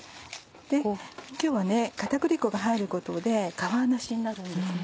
今日は片栗粉が入ることで皮なしになるんですね。